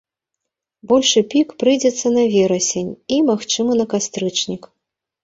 Большы пік прыйдзецца на верасень і, магчыма, на кастрычнік.